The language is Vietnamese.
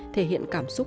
thể hiện cảm xúc